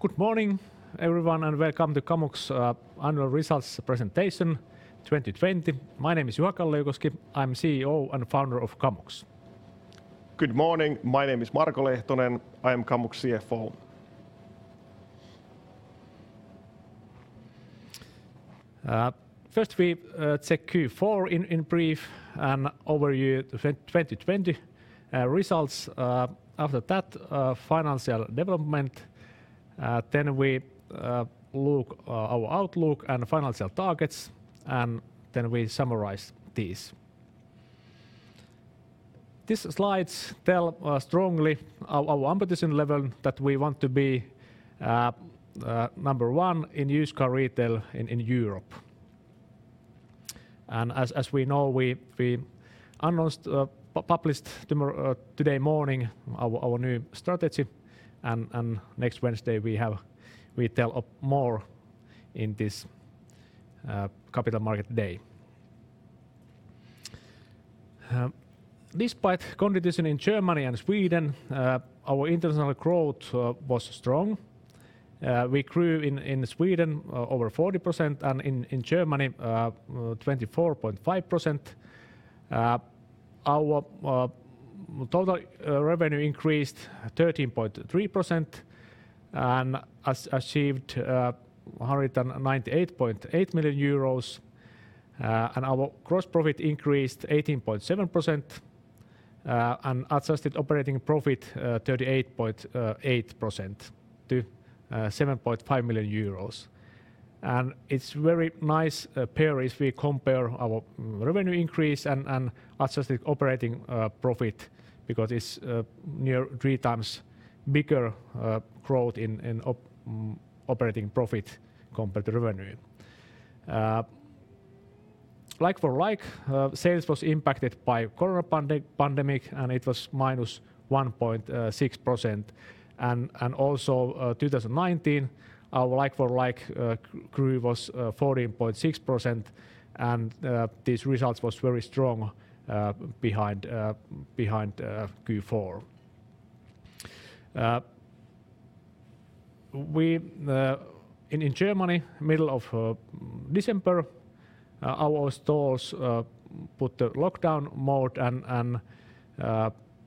Good morning, everyone. Welcome to Kamux Annual Results Presentation 2020. My name is Juha Kalliokoski. I'm CEO and founder of Kamux. Good morning. My name is Marko Lehtonen. I am Kamux CFO. First, we check Q4 in brief and over year 2020 results. Financial development. We look our outlook and financial targets, and then we summarize these. These slides tell strongly our ambition level that we want to be number one in used car retail in Europe. As we know, we published today morning our new strategy, and next Wednesday, we tell more in this Capital Markets Day. Despite competition in Germany and Sweden, our international growth was strong. We grew in Sweden over 40% and in Germany 24.5%. Our total revenue increased 13.3% and has achieved 198.8 million euros, and our gross profit increased 18.7%, and adjusted operating profit 38.8% to 7.5 million euros. It's very nice pair if we compare our revenue increase and adjusted operating profit because it's near three times bigger growth in operating profit compared to revenue. Like-for-like sales was impacted by corona pandemic. And it was -1.6%, and also 2019, our like-for-like grew was 14.6%, and this result was very strong behind Q4. In Germany, middle of December, our stores put the lockdown mode, and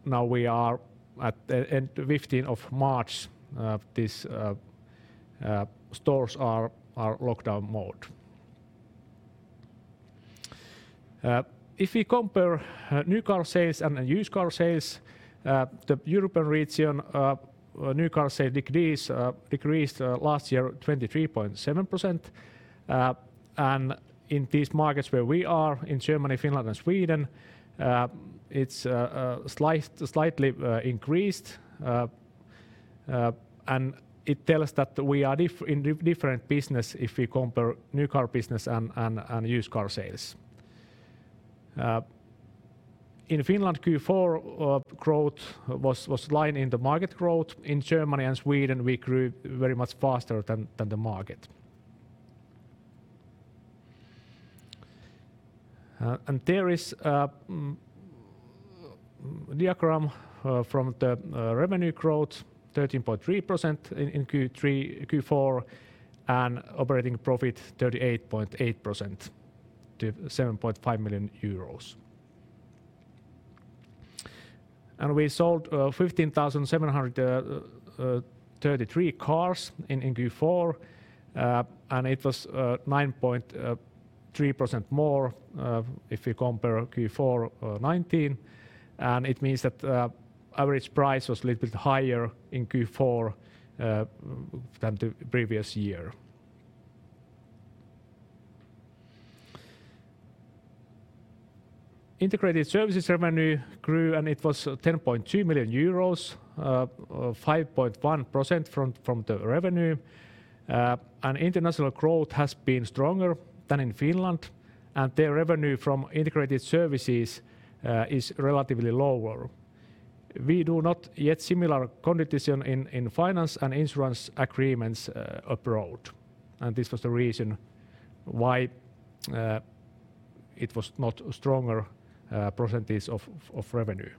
now we are at the end 15th of March, these stores are lockdown mode. If we compare new car sales and used car sales, the European region new car sales decreased last year 23.7%, and in these markets where we are in Germany, Finland and Sweden, it's slightly increased, and it tells that we are in different business if we compare new car business and used car sales. In Finland, Q4 growth was line in the market growth. In Germany and Sweden, we grew very much faster than the market. There is a diagram from the revenue growth, 13.3% in Q4, and operating profit 38.8% to EUR 7.5 million. We sold 15,733 cars in Q4, and it was 9.3% more if we compare Q4 2019, and it means that average price was little bit higher in Q4 than the previous year. Integrated services revenue grew, and it was 10.2 million euros, 5.1% from the revenue. International growth has been stronger than in Finland, and their revenue from Integrated services is relatively lower. We do not yet similar competition in finance and insurance agreements abroad, and this was the reason why it was not stronger percentage of revenue.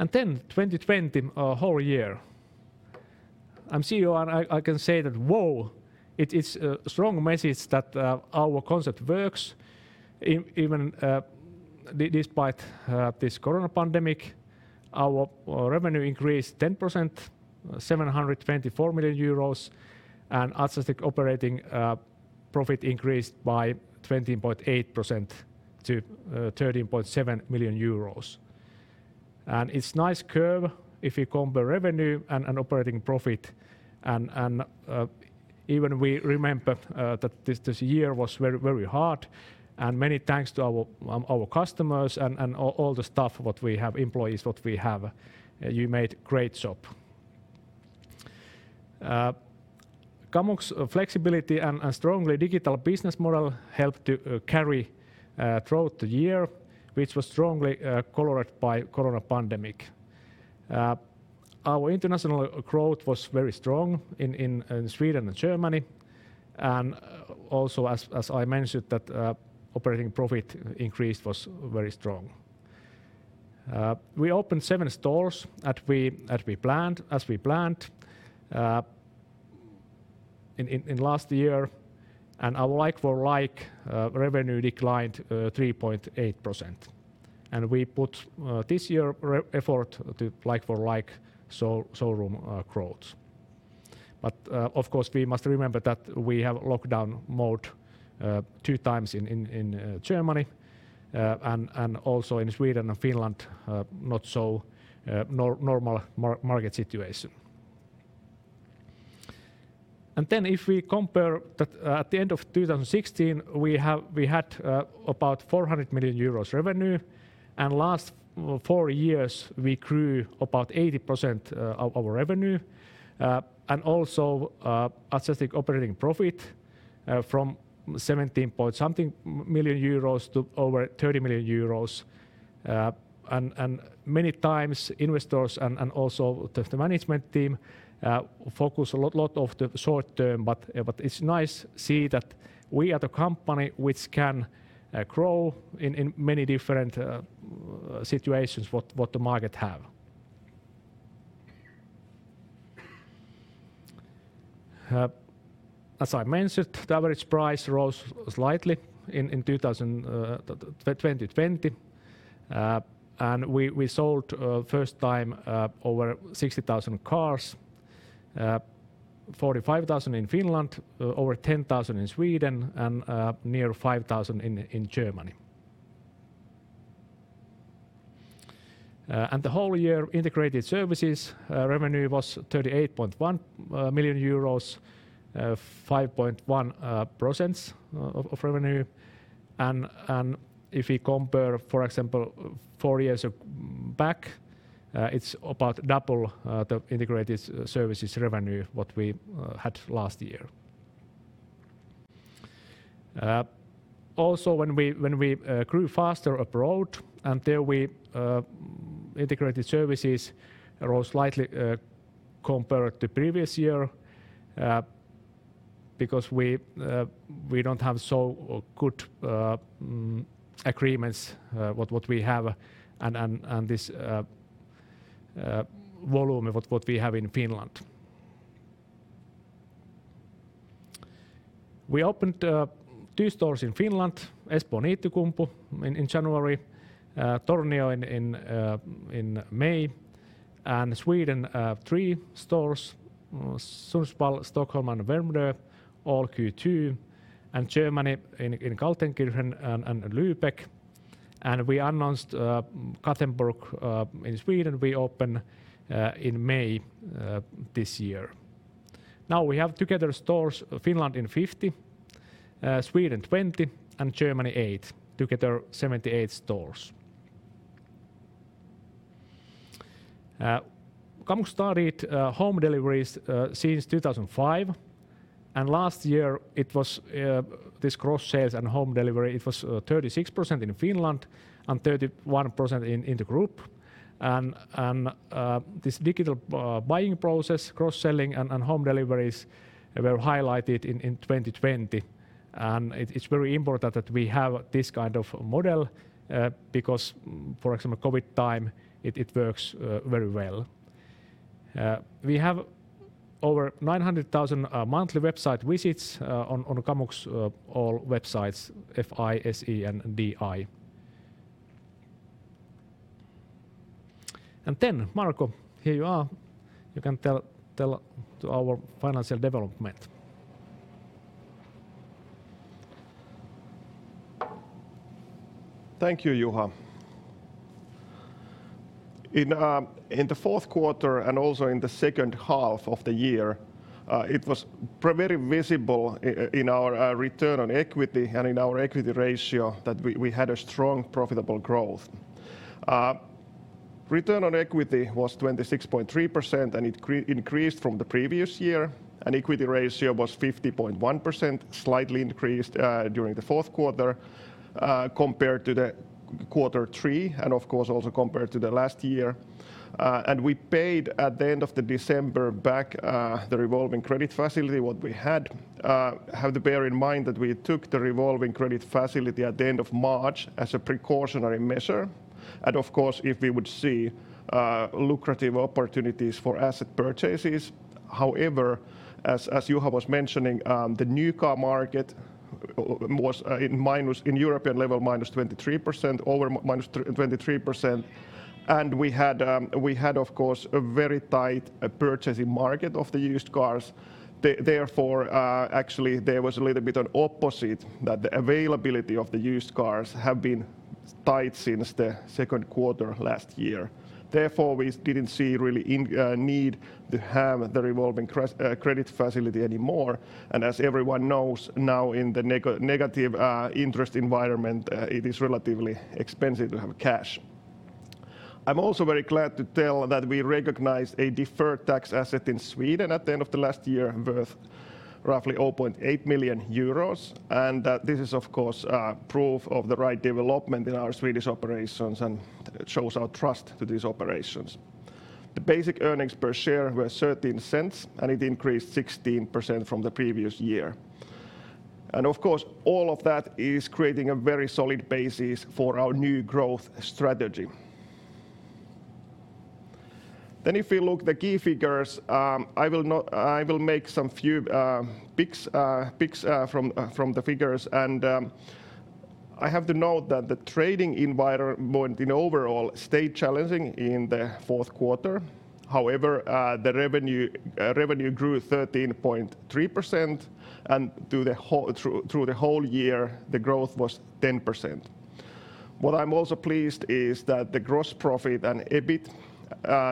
2020 whole year. I'm CEO, and I can say that, whoa, it is a strong message that our concept works even despite this corona pandemic. Our revenue increased 10%, 724 million euros, and adjusted operating profit increased by 20.8% to EUR 30.7 million It's nice curve if we compare revenue and operating profit, and even we remember that this year was very hard, and many thanks to our customers and all the staff that we have, employees that we have. You made great job. Kamux flexibility and strongly digital business model helped to carry throughout the year, which was strongly colored by corona pandemic. Our international growth was very strong in Sweden and Germany, also as I mentioned that operating profit increase was very strong. We opened seven stores as we planned in last year. Our like-for-like revenue declined 3.8%. We put this year's effort to like-for-like showroom growth. Of course, we must remember that we have lockdown mode two times in Germany and also in Sweden and Finland. Not a normal market situation. If we compare that, at the end of 2016, we had about EUR 400 million revenue, last four years we grew about 80% of our revenue, and also adjusted operating profit from 17 point something million to over 30 million euros. Many times, investors and also the management team focus a lot of the short term, but it's nice to see that we are a company which can grow in many different situations what the market have. As I mentioned, the average price rose slightly in 2020. We sold first time over 60,000 cars, 45,000 in Finland, over 10,000 in Sweden, and near 5,000 in Germany. The whole year integrated services revenue was 38.1 million euros, 5.1% of revenue. If we compare, for example, four years back, it's about double the integrated services revenue, what we had last year. When we grew faster abroad and there Integrated Services rose slightly compared to previous year, because we don't have so good agreements what we have and this volume of what we have in Finland. We opened two stores in Finland, Espoo and Itä-Kumpu in January, Tornio in May. Sweden three stores, Sundsvall, Stockholm, and Värmdö all Q2. Germany in Kaltenkirchen and Lübeck. We announced Gothenburg in Sweden will open in May this year. Now we have together stores Finland in 50, Sweden 20, and Germany eight, together 78 stores. Kamux started home deliveries since 2005; last year this cross-sales and home delivery it was 36% in Finland and 31% in the group. This digital buying process, cross-selling, and home deliveries were highlighted in 2020. It's very important that we have this kind of model because, for example, COVID time it works very well. We have over 900,000 monthly website visits on Kamux all websites FI, SE, and DE. Marko, here you are. You can tell to our financial development. Thank you, Juha. In the fourth quarter and also in the second half of the year, it was very visible in our return on equity and in our equity ratio that we had a strong profitable growth. Return on equity was 26.3%. It increased from the previous year. Equity ratio was 50.1%, slightly increased during the fourth quarter compared to the quarter three and of course, also compared to the last year. We paid at the end of the December back the revolving credit facility what we had. We have to bear in mind that we took the revolving credit facility at the end of March as a precautionary measure, and of course, if we would see lucrative opportunities for asset purchases. However, as Juha was mentioning, the new car market was in European level -23%, over -23%, and we had of course a very tight purchasing market of the used cars. Actually there was a little bit an opposite that the availability of the used cars have been tight since the second quarter last year. We didn't see really need to have the revolving credit facility anymore, and as everyone knows now in the negative interest environment it is relatively expensive to have cash. I'm also very glad to tell that we recognized a deferred tax asset in Sweden at the end of last year worth roughly 0.8 million euros. This is, of course, proof of the right development in our Swedish operations and shows our trust to these operations. The basic earnings per share were 0.13, and it increased 16% from the previous year. Of course, all of that is creating a very solid basis for our new growth strategy. If we look at the key figures, I will make some few picks from the figures. I have to note that the trading environment in overall stayed challenging in the fourth quarter. However, the revenue grew 13.3%, and throughout the whole year, the growth was 10%. What I'm also pleased is that the gross profit and EBIT,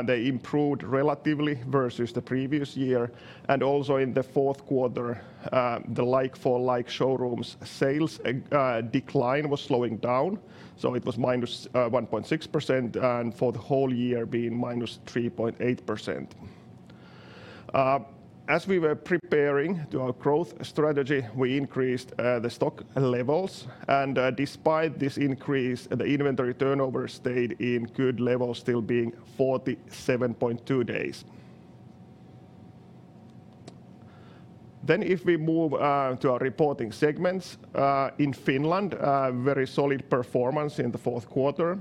they improved relatively versus the previous year, and also in the fourth quarter, the like-for-like showrooms sales decline was slowing down, so it was -1.6%, and for the whole year being -3.8%. As we were preparing our growth strategy, we increased the stock levels, and despite this increase, the inventory turnover stayed in good levels, still being 47.2 days. If we move to our reporting segments, in Finland, very solid performance in the fourth quarter.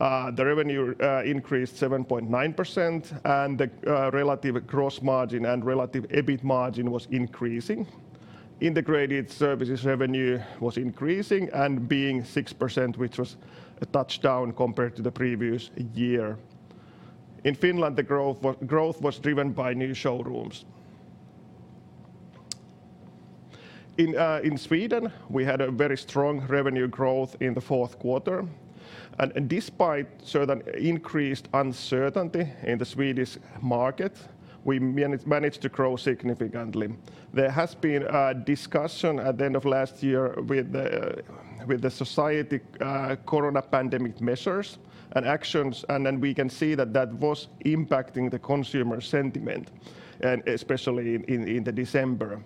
The revenue increased 7.9%, and the relative gross margin and relative EBIT margin was increasing. Integrated services revenue was increasing and being 6%, which was a touchdown compared to the previous year. In Finland, the growth was driven by new showrooms. In Sweden, we had a very strong revenue growth in the fourth quarter. Despite certain increased uncertainty in the Swedish market, we managed to grow significantly. There has been a discussion at the end of last year with the society corona pandemic measures and actions, and then we can see that that was impacting the consumer sentiment, especially in December.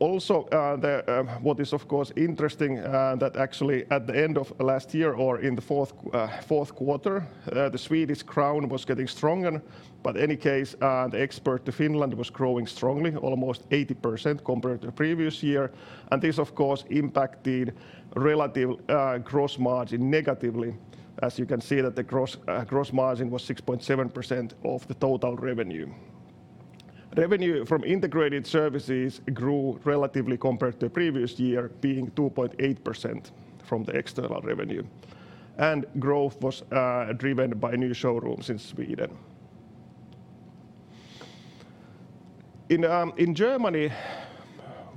What is, of course, interesting that actually at the end of last year or in the fourth quarter, the Swedish crown was getting stronger; in any case, the export to Finland was growing strongly, almost 80% compared to the previous year. This, of course, impacted relative gross margin negatively, as you can see that the gross margin was 6.7% of the total revenue. Revenue from integrated services grew relatively compared to the previous year, being 2.8% from the external revenue, and growth was driven by new showrooms in Sweden. In Germany,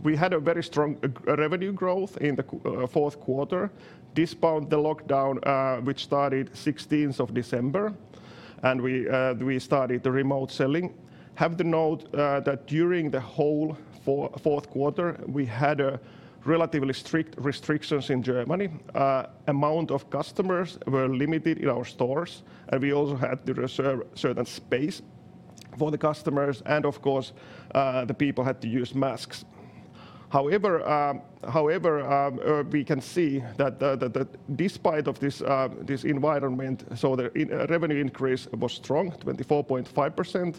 we had a very strong revenue growth in the fourth quarter despite the lockdown, which started 16th of December, and we started the remote selling. Have to note that during the whole fourth quarter, we had relatively strict restrictions in Germany. Amount of customers were limited in our stores, and we also had to reserve certain space for the customers, and of course, people had to use masks. However, we can see that despite of this environment, so the revenue increase was strong, 24.5%,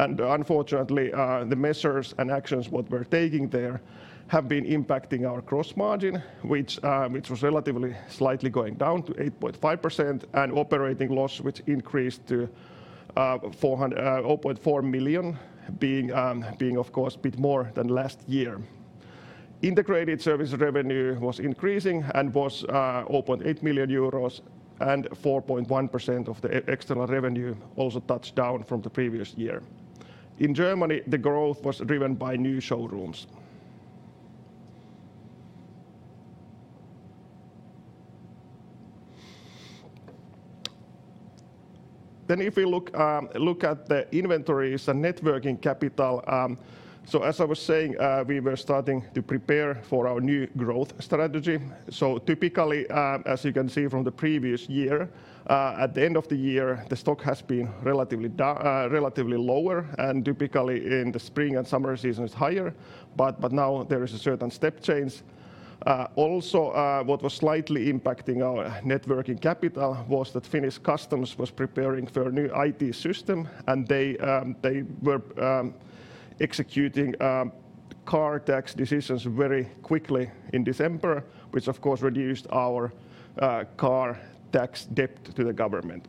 and unfortunately, the measures and actions that we're taking there have been impacting our gross margin, which was relatively slightly going down to 8.5%, and operating loss, which increased to 4 million, being, of course, a bit more than last year. Integrated service revenue was increasing and was 8 million euros and 4.1% of the external revenue also touched down from the previous year. In Germany, the growth was driven by new showrooms. If we look at the inventories and net working capital, so as I was saying, we were starting to prepare for our new growth strategy. Typically, as you can see from the previous year, at the end of the year, the stock has been relatively lower, and typically in the spring and summer season, it's higher. Now there is a certain step change. Also, what was slightly impacting our net working capital was that Finnish Customs was preparing for a new IT system, and they were executing car tax decisions very quickly in December, which, of course, reduced our car tax debt to the government.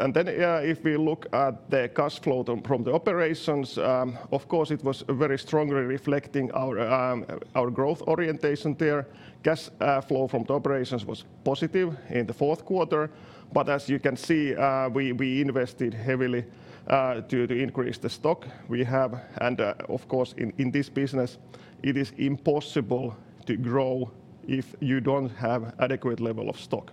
If we look at the cash flow from the operations, of course, it was very strongly reflecting our growth orientation there. Cash flow from operations was positive in the fourth quarter, but as you can see, we invested heavily to increase the stock we have. Of course, in this business, it is impossible to grow if you don't have adequate level of stock.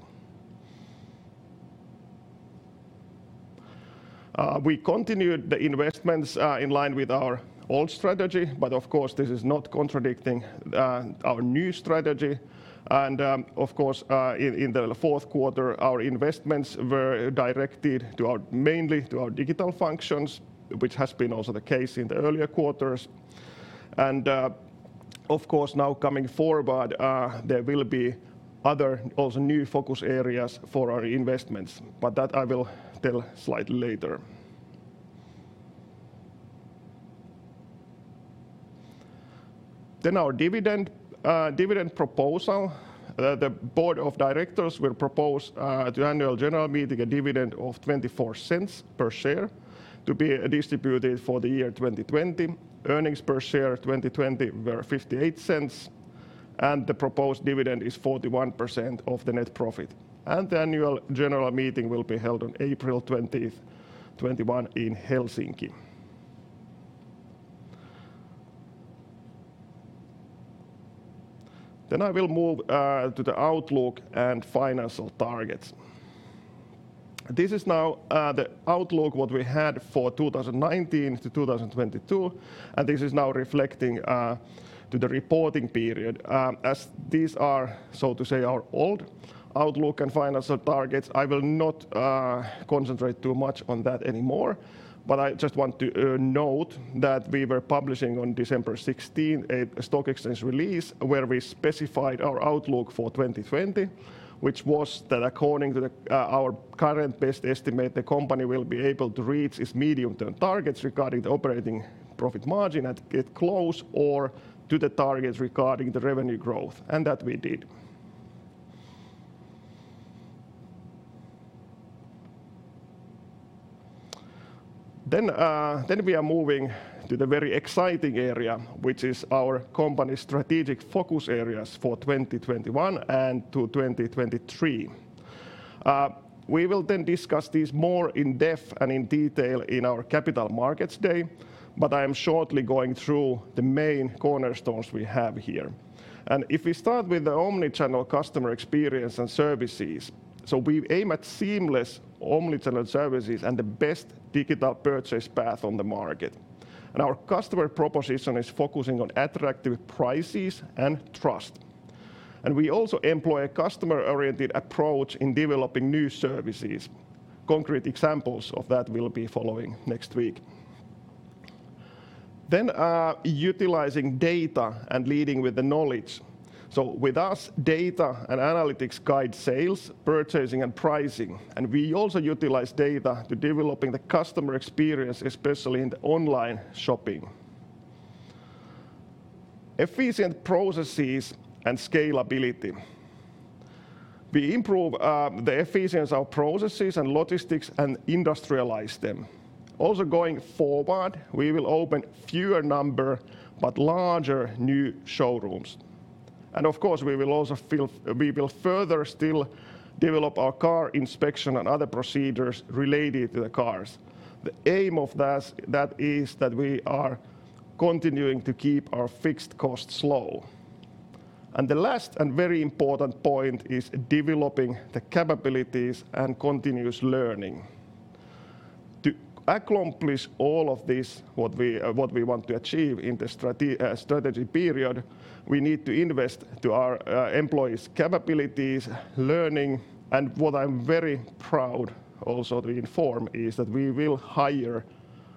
We continued the investments in line with our old strategy, but of course, this is not contradicting our new strategy. Of course, in the fourth quarter, our investments were directed mainly to our digital functions, which has been also the case in the earlier quarters. Of course, now coming forward, there will be other new focus areas for our investments, but that I will tell slightly later. Our dividend proposal. The board of directors will propose to Annual General Meeting a dividend of 0.24 per share to be distributed for the year 2020. Earnings per share 2020 were 0.58, and the proposed dividend is 41% of the net profit. The Annual General Meeting will be held on April 20th, 2021 in Helsinki. I will move to the outlook and financial targets. This is now the outlook, what we had for 2019 to 2022, and this is now reflecting to the reporting period. As these are, so to say, our old outlook and financial targets, I will not concentrate too much on that anymore, but I just want to note that we were publishing on December 16 a stock exchange release where we specified our outlook for 2020, which was that according to our current best estimate, the company will be able to reach its medium-term targets regarding the operating profit margin and get close or to the targets regarding the revenue growth, and that we did. We are moving to the very exciting area, which is our company's strategic focus areas for 2021 and to 2023. We will then discuss these more in depth and in detail in our Capital Markets Day. I am shortly going through the main cornerstones we have here. If we start with the omnichannel customer experience and services, we aim at seamless omnichannel services and the best digital purchase path on the market. Our customer proposition is focusing on attractive prices and trust. We also employ a customer-oriented approach in developing new services. Concrete examples of that will be following next week. Utilizing data and leading with the knowledge. With us, data and analytics guide sales, purchasing, and pricing. We also utilize data to developing the customer experience, especially in the online shopping. Efficient processes and scalability. We improve the efficiency of processes, logistics, and industrialize them. Going forward, we will open fewer number but larger new showrooms. Of course, we will further still develop our car inspection and other procedures related to the cars. The aim of that is that we are continuing to keep our fixed costs low. The last and very important point is developing the capabilities and continuous learning. To accomplish all of this, what we want to achieve in the strategy period, we need to invest to our employees' capabilities, learning, and what I'm very proud also to inform is that we will hire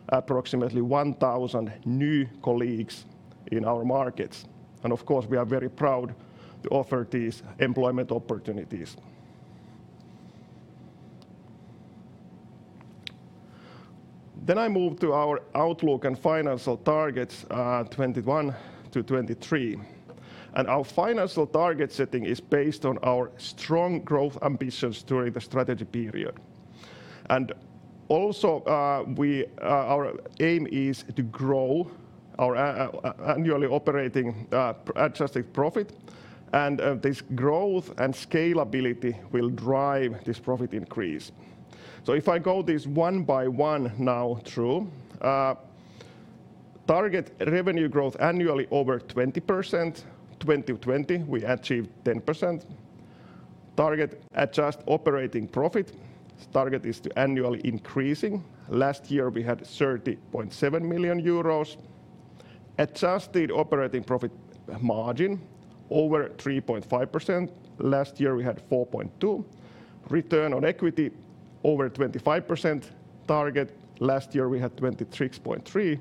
approximately 1,000 new colleagues in our markets. Of course, we are very proud to offer these employment opportunities. I move to our outlook and financial targets 2021 to 2023. Our financial target setting is based on our strong growth ambitions during the strategy period. Also, our aim is to grow our annual operating adjusted profit, and this growth and scalability will drive this profit increase. If I go this one by one now through, target revenue growth annually over 20%, 2020, we achieved 10%. Target adjusted operating profit, target is to annually increasing. Last year, we had 30.7 million euros. adjusted operating profit margin over 3.5%. Last year, we had 4.2%. Return on equity over 25% target. Last year, we had 23.3%.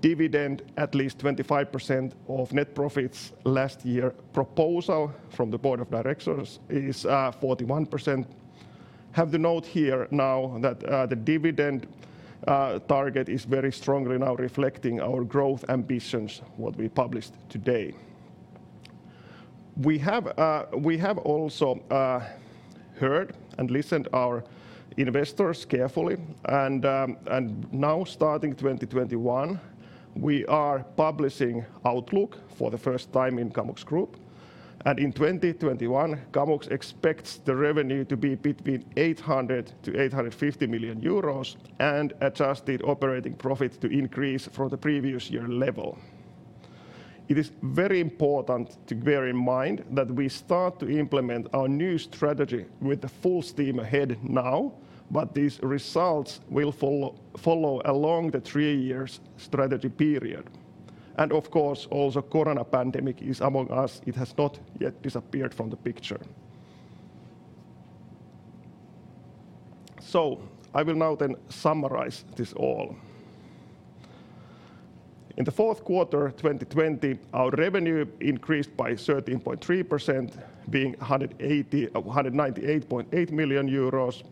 Dividend, at least 25% of net profits. Last year's proposal from the board of directors is 41%. I have the note here now that the dividend target is very strongly now reflecting our growth ambitions, what we published today. We have also heard and listened our investors carefully, and now, starting 2021, we are publishing outlook for the first time in Kamux Group. In 2021, Kamux expects the revenue to be between 800 million-850 million euros and adjusted operating profit to increase from the previous year's level. It is very important to bear in mind that we start to implement our new strategy with the full steam ahead now, but these results will follow along the three-year strategy period. Of course, also coronavirus pandemic is among us. It has not yet disappeared from the picture. I will now then summarize this all. In the fourth quarter 2020, our revenue increased by 13.3%, being 198.8 million euros.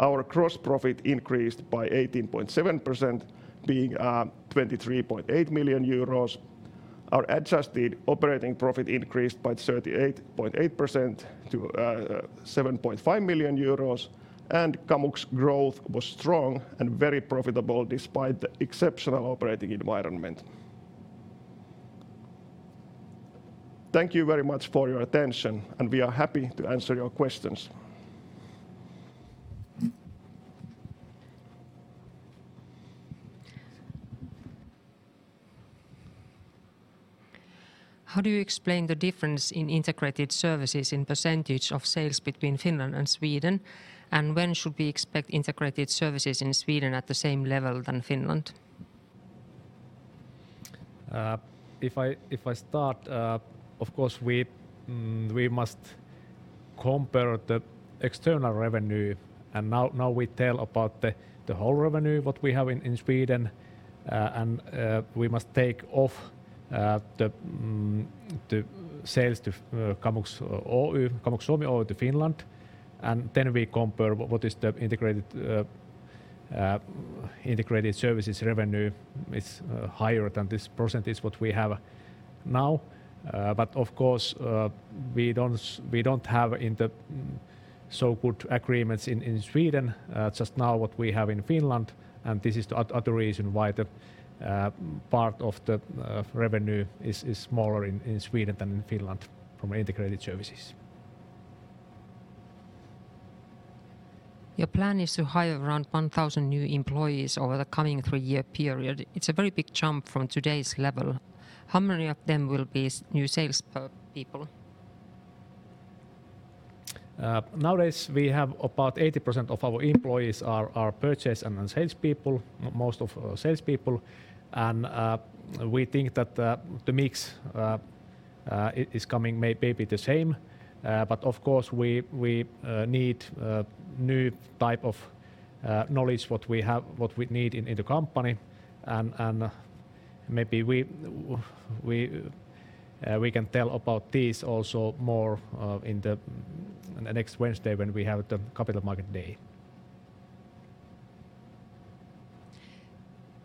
Our gross profit increased by 18.7%, being 23.8 million euros. Our adjusted operating profit increased by 38.8% to 7.5 million euros. Kamux's growth was strong and very profitable despite the exceptional operating environment. Thank you very much for your attention, and we are happy to answer your questions. How do you explain the difference in integrated services in percentage of sales between Finland and Sweden? When should we expect integrated services in Sweden at the same level than Finland? If I start, of course, we must compare the external revenue. Now we tell about the whole revenue what we have in Sweden. We must take off the sales to Kamux Suomi over to Finland, and then we compare what is the integrated services revenue is higher than this % what we have now. Of course, we don't have so good agreements in Sweden just now what we have in Finland. This is the other reason why the part of the revenue is smaller in Sweden than in Finland from integrated services. Your plan is to hire around 1,000 new employees over the coming three-year period. It's a very big jump from today's level. How many of them will be new salespeople? Nowadays, we have about 80% of our employees are purchase and salespeople, most of salespeople. We think that the mix is coming, maybe the same. Of course, we need new type of knowledge what we need in the company. Maybe we can tell about this also more in the next Wednesday, when we have the Capital Markets Day.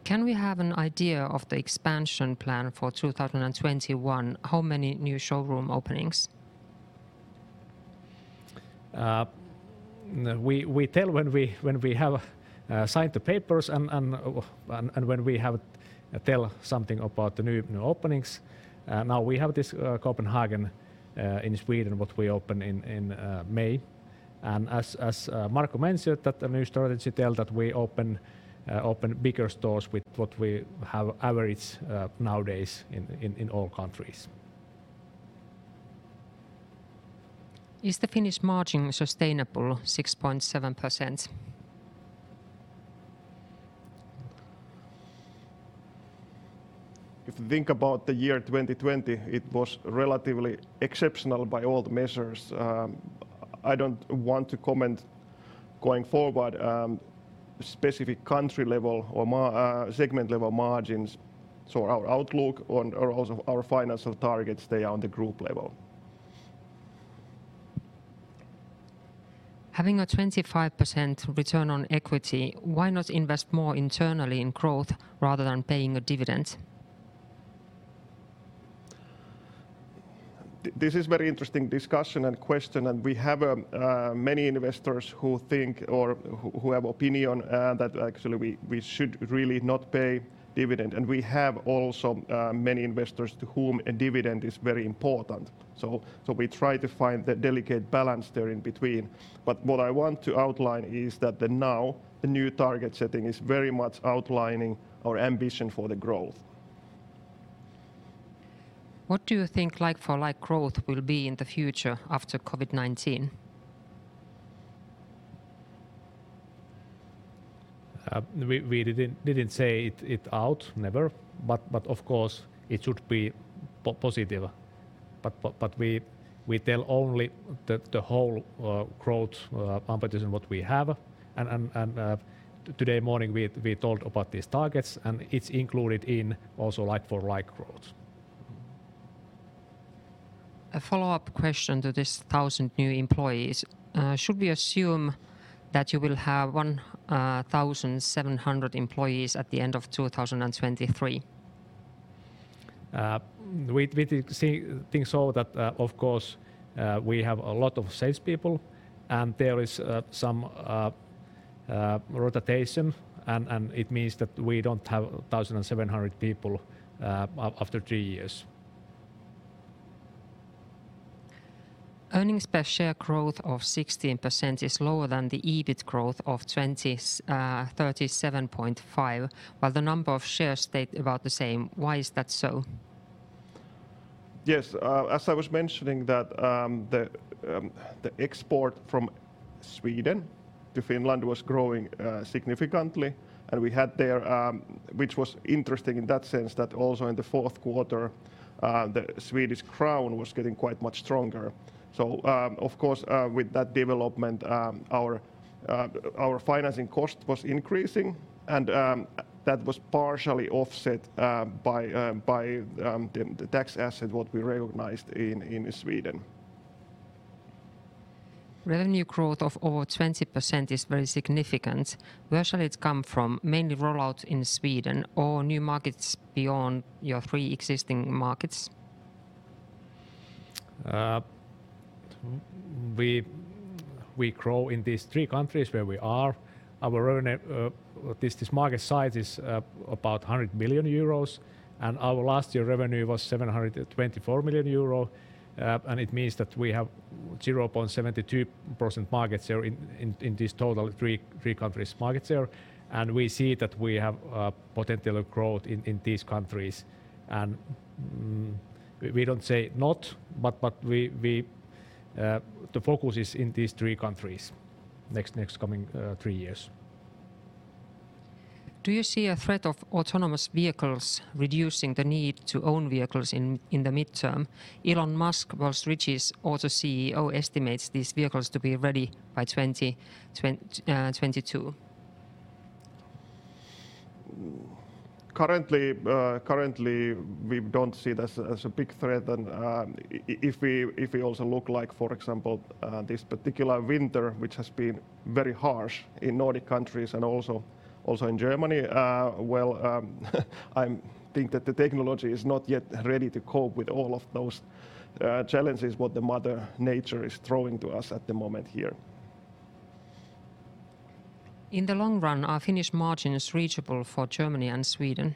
Can we have an idea of the expansion plan for 2021? How many new showroom openings? We tell when we have signed the papers, when we have tell something about the new openings. Now we have this Gothenburg in SwedenGothenburg, what we open in May. As Marko mentioned, that the new strategy tell that we open bigger stores with what we have average nowadays in all countries. Is the Finnish margin sustainable 6.7%? If you think about the year 2020, it was relatively exceptional by all the measures. I don't want to comment going forward specific country level or segment level margins. Our outlook or also our financial targets, they are on the group level. Having a 25% return on equity, why not invest more internally in growth rather than paying a dividend? This is very interesting discussion and question, and we have many investors who think or who have opinion that actually we should really not pay dividend. We have also many investors to whom a dividend is very important. We try to find the delicate balance there in between. What I want to outline is that now, the new target setting is very much outlining our ambition for the growth. What do you think like-for-like growth will be in the future after COVID-19? We didn't say it out, never. Of course, it should be positive. We tell only the whole growth competition what we have. Today morning we told about these targets. It's included in also like-for-like growth. A follow-up question to this: 1,000 new employees. Should we assume that you will have 1,700 employees at the end of 2023? We think so that, of course, we have a lot of salespeople, and there is some rotation, and it means that we don't have 1,700 people after three years. Earnings per share growth of 16% is lower than the EBIT growth of 37.5%, while the number of shares stayed about the same. Why is that so? Yes. As I was mentioning that the export from Sweden to Finland was growing significantly, and we had there, which was interesting in that sense that also in the fourth quarter, the Swedish crown was getting quite much stronger. Of course, with that development, our financing cost was increasing, and that was partially offset by the tax asset that we recognized in Sweden. Revenue growth of over 20% is very significant. Where shall it come from? Mainly rollout in Sweden or new markets beyond your three existing markets? We grow in these three countries where we are. This market size is about 100 billion euros, and our last year's revenue was 724 million euro. It means that we have 0.72% market share in these total three countries market share. We see that we have potential growth in these countries. We don't say not, but the focus is in these three countries next coming three years. Do you see a threat of autonomous vehicles reducing the need to own vehicles in the midterm? Elon Musk, world's richest Auto CEO, estimates these vehicles to be ready by 2022. Currently, we don't see it as a big threat. If we also look like, for example, this particular winter, which has been very harsh in Nordic countries and also in Germany, well, I think that the technology is not yet ready to cope with all of those challenges what the Mother Nature is throwing to us at the moment here. In the long run, are Finnish margins reachable for Germany and Sweden?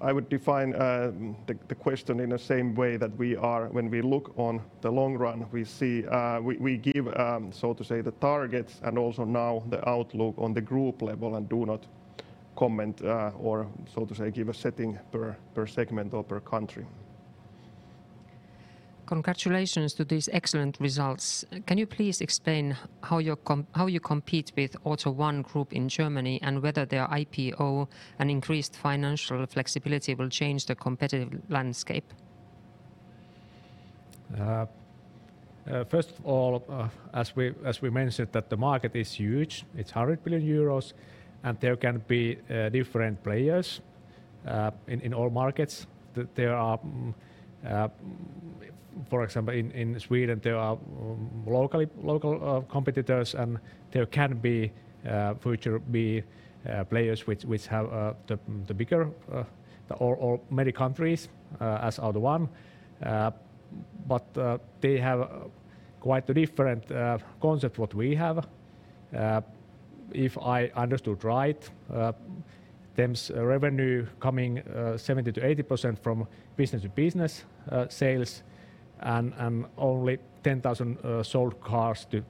I would define the question in the same way that when we look on the long run, we give, so to say, the targets and also now the outlook on the group level and do not comment or, so to say, give a setting per segment or per country. Congratulations to these excellent results. Can you please explain how you compete with AUTO1 Group in Germany and whether their IPO and increased financial flexibility will change the competitive landscape? As we mentioned that the market is huge, it's 100 billion euros, and there can be different players in all markets. For example, in Sweden, there are local competitors, and there can future be players which have the bigger or many countries as AUTO1. They have quite a different concept what we have. If I understood right, their revenue coming 70%-80% from business-to-business sales and only 10,000 sold cars to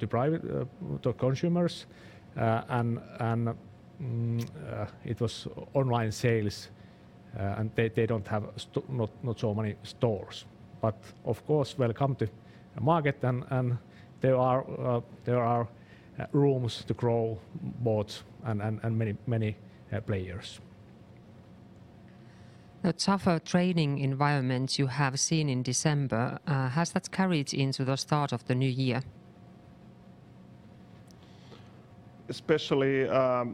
consumers. It was online sales, and they don't have so many stores. Of course, welcome to the market, and there are rooms to grow both and many players. The tougher trading environment you have seen in December, has that carried into the start of the new year? Especially, as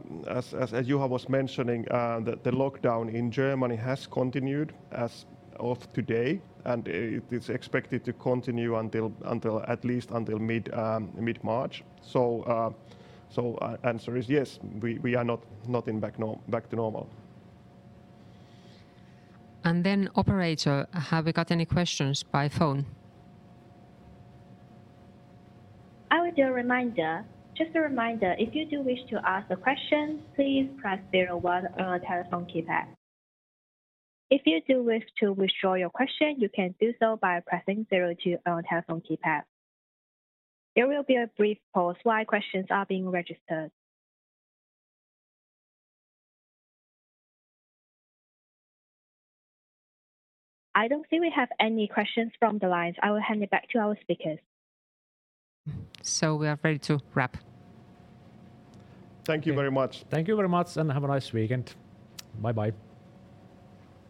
Juha was mentioning, the lockdown in Germany has continued as of today, and it is expected to continue at least until mid-March. Answer is yes, we are not back to normal. Operator, have we got any questions by phone? I will do a reminder. Just a reminder, if you do wish to ask a question, please press zero one on your telephone keypad. If you do wish to withdraw your question, you can do so by pressing zero two on your telephone keypad. There will be a brief pause while questions are being registered. I don't see we have any questions from the lines. I will hand it back to our speakers. We are ready to wrap. Thank you very much. Thank you very much, and have a nice weekend. Bye-bye.